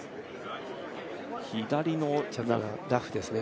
左のラフですね。